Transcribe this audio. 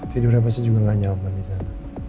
tidurnya pasti juga nggak nyaman di sana